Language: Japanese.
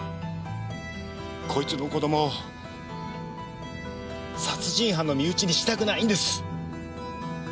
こいつの子供を殺人犯の身内にしたくないんです。